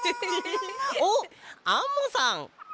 おっアンモさん！